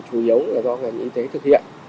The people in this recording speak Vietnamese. chủ yếu là do ngành y tế thực hiện